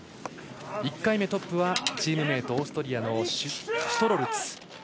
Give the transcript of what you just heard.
１回目トップはチームメート、オーストリアのシュトロルツ。